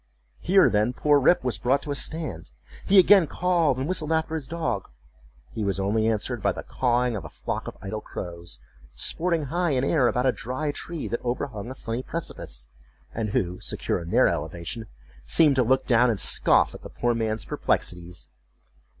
Here, then, poor Rip was brought to a stand. He again called and whistled after his dog; he was only answered by the cawing of a flock of idle crows, sporting high in air about a dry tree that overhung a sunny precipice; and who, secure in their elevation, seemed to look down and scoff at the poor man's perplexities.